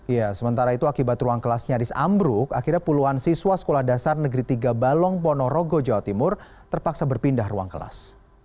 ya sementara itu akibat ruang kelas nyaris ambruk akhirnya puluhan siswa sekolah dasar negeri tiga balong ponorogo jawa timur terpaksa berpindah ruang kelas